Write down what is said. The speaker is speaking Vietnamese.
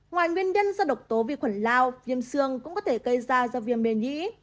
ngoài nguyên nhân do độc tố vi khuẩn lao viêm xương cũng có thể gây ra do viêm mền nhí